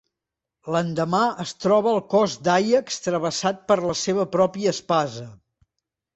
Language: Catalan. L'endemà es troba el cos d'Àiax travessat per la seva pròpia espasa.